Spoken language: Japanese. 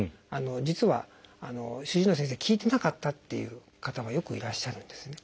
実は主治医の先生聞いてなかったっていう方がよくいらっしゃるんですね。